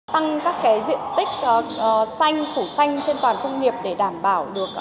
tăng các diện tích xanh phủ xanh trên toàn công nghiệp để đảm bảo được